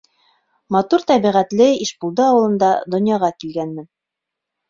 Матур тәбиғәтле Ишбулды ауылында донъяға килгәнмен.